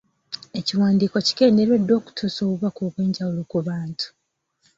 Ekiwandiiko kigendereddwa okutuusa obubaka obw’enjawulo ku bantu.